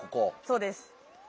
そうです。